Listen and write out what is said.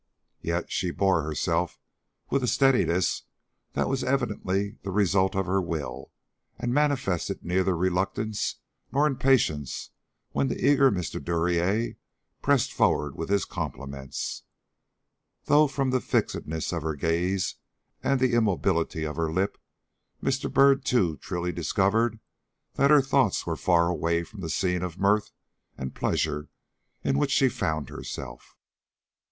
Yet, she bore herself with a steadiness that was evidently the result of her will; and manifested neither reluctance nor impatience when the eager Mr. Duryea pressed forward with his compliments, though from the fixedness of her gaze and the immobility of her lip, Mr. Byrd too truly discovered that her thoughts were far away from the scene of mirth and pleasure in which she found herself.